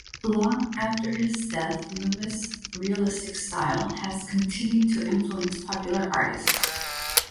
Long after his death, Loomis' realistic style has continued to influence popular artists.